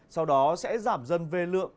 sau đó sẽ giảm dân vê lượng